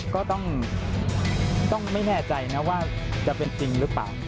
ก็ต้องไม่แน่ใจนะว่าจะเป็นจริงหรือเปล่า